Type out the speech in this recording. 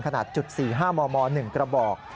ขนาด๐๔๕ม๑กระบอก